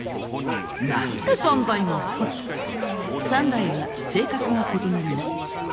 ３台は性格が異なります。